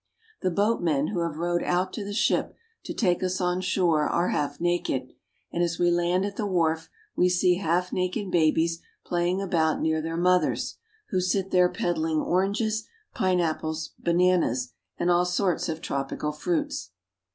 The boatmen who have rowed out to the ship to take us on shore are half naked, and as we land at the wharf we see half naked babies playing about near their mothers, who sit there peddling oranges, pineapples, bananas, and all sorts of tropical fruits.